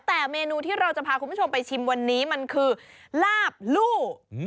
แต่เมนูที่เราจะพาคุณผู้ชมไปชิมวันนี้มันคือลาบลู่